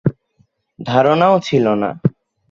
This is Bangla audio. ধারণাও ছিল না।